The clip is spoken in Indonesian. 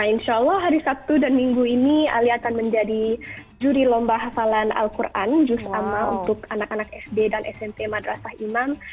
insya allah hari sabtu dan minggu ini alia akan menjadi juri lomba hafalan al quran jus ama untuk anak anak sd dan smp madrasah imam